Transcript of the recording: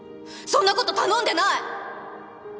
そんな事頼んでない！